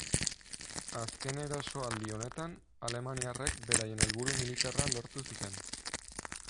Azken erasoaldi honetan, alemaniarrek beraien helburu militarra lortu zuten.